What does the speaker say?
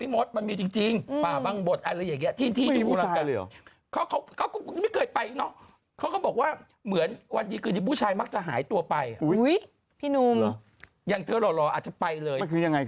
ไม่ใช่เค้าบอกว่าอีกเมืองหนึ่งอาจจะมีแต่ผู้หญิงหมดเลย